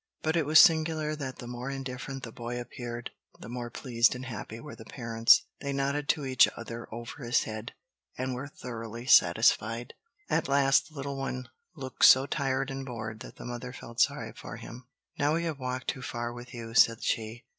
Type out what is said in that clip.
But it was singular that the more indifferent the boy appeared, the more pleased and happy were the parents. They nodded to each other over his head, and were thoroughly satisfied. At last, the little one looked so tired and bored that the mother felt sorry for him. "Now we have walked too far with you," said she.